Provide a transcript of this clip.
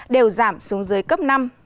đều giảm xuống dưới cấp năm